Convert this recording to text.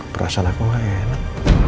perasaan aku gak enak